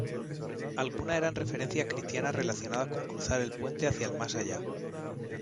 Algunas eran referencias cristianas relacionadas con cruzar el puente hacia el "más allá".